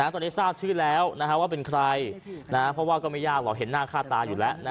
ตอนนี้ทราบชื่อแล้วว่าเป็นใครเพราะว่าก็ไม่ยากหรอกเห็นหน้าค่าตาอยู่แล้ว